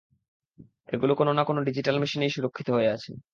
এগুলো কোনো না কোনো ডিজিটাল মেশিনেই সুরক্ষিত হয়ে আছে।